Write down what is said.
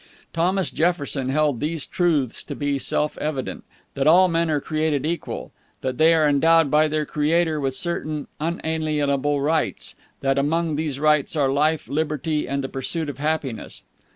Thomas Jefferson held these truths to be self evident, that all men are created equal; that they are endowed by their Creator with certain unalienable rights; that among these rights are life, liberty, and the pursuit of happiness.